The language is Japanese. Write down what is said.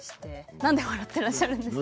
何で笑ってらっしゃるんですか？